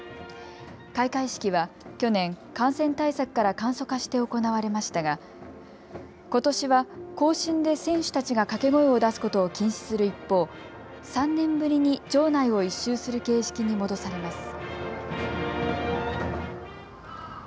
開会式は去年、感染対策から簡素化して行われましたがことしは行進で選手たちが掛け声を出すことを禁止する一方、３年ぶりに場内を１周する形式に戻されます。